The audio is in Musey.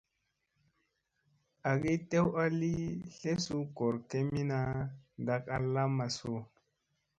Agi tew a li tlesu goor kemina ɗak a lamma su ?